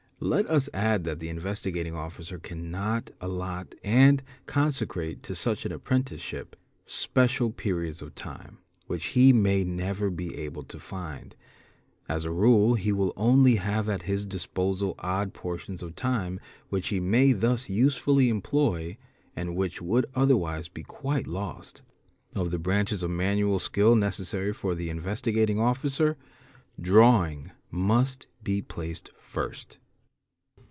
Let us add that the Investigating Officer cannot allot and consecrate to uch an apprenticeship special periods of time, which he may never be ible to find; as a rule he will only have at his disposal odd portions of ime which he may thus usefully employ and which would otherwise be uite lost. Of the branches of manual skill necessary for the Investigating Iicer drawing must be placed first.